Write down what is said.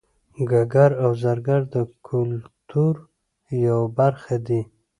ګګر او زرګر د کولتور یوه برخه دي